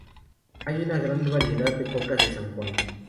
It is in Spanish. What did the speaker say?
Hay una gran variedad de cocas de San Juan.